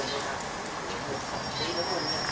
สวัสดีครับ